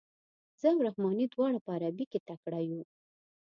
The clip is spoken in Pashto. زه او رحماني دواړه په عربي کې تکړه یو.